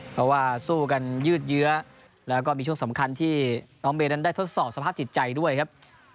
เพราะว่าสู้กันยืดเยื้อแล้วก็มีช่วงสำคัญที่น้องเมย์นั้นได้ทดสอบสภาพจิตใจด้วยครับ